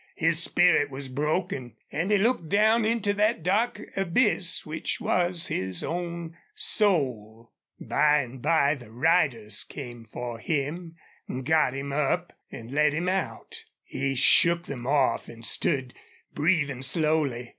His spirit was broken. And he looked down into that dark abyss which was his own soul. By and by the riders came for him, got him up, and led him out. He shook them off and stood breathing slowly.